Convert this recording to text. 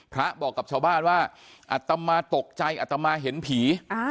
พระบอกกับชาวบ้านว่าอัตมาตกใจอัตมาเห็นผี